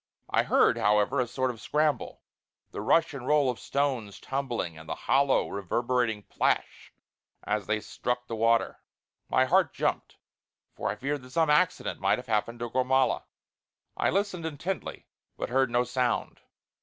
I heard, however, a sort of scramble; the rush and roll of stones tumbling, and the hollow reverberating plash as they struck the water. My heart jumped, for I feared that some accident might have happened to Gormala. I listened intently; but heard no sound.